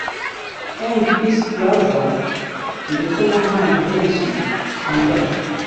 M Peace plaza ndetse n'ahandi henshi hanyuranye